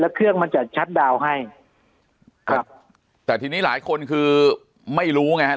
เครื่องมันจะชัดดาวน์ให้ครับแต่ทีนี้หลายคนคือไม่รู้ไงครับ